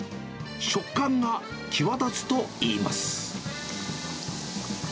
食感が際立つといいます。